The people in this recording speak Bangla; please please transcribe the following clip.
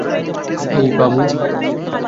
হেই, বাবু।